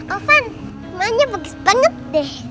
alvan rumahnya bagus banget deh